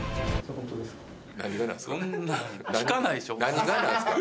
何がなんですか。